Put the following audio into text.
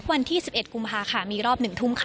วันที่๑๑กุมภาค่ะมีรอบ๑ทุ่มค่ะ